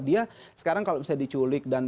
dia sekarang kalau misalnya diculik dan